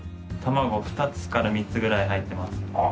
卵２つから３つぐらい入ってます。